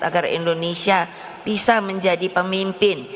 agar indonesia bisa menjadi pemimpin